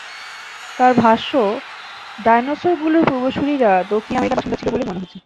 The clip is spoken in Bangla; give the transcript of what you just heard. তাঁর ভাষ্য, ডাইনোসরগুলোর পূর্বসূরিরা দক্ষিণ আমেরিকার বাসিন্দা ছিল বলেই মনে হচ্ছে।